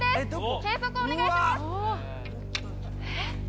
計測お願いします。